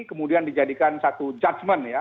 kemudian dijadikan satu judgement ya